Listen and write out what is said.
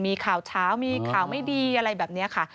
มีข่าวเช้ามีข่าวไม่ดีอะไรแบบนี้ค่ะ